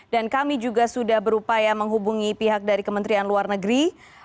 dan kami juga sudah berupaya menghubungi pihak dari kementerian luar negeri